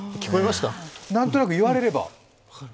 何となく言われれば。